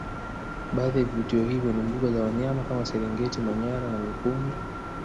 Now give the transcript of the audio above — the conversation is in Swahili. Baadhi ya vivutio hivyo ni mbuga za wanyama kama serengeti manyara na mikumi